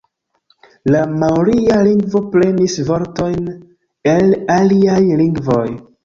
La maoria lingvo prenis vortojn el aliaj lingvoj.